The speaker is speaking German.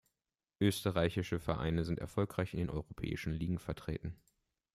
Österreichische Vereine sind erfolgreich in den europäischen Ligen vertreten.